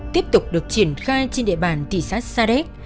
tiếp tục được triển khai trên đệ bàn tỷ sát sa đế